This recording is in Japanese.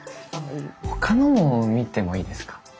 ほかのも見てもいいですか？